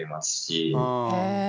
へえ。